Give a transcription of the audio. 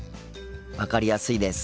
分かりやすいです。